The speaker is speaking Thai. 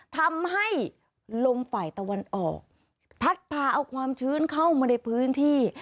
ทำให้ลมฝ่ายตะวันออกพัดพาเอาความชื้นเข้ามาในพื้นที่